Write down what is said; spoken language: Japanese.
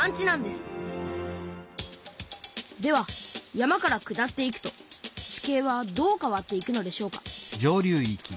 では山から下っていくと地形はどう変わっていくのでしょうか